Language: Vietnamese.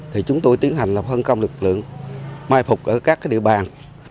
thì chúng tôi tiến hành là phân công lực lượng mai phục ở các địa bàn